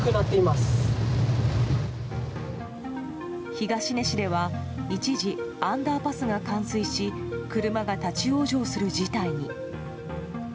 東根市では一時、アンダーパスが冠水し車が立ち往生する事態に。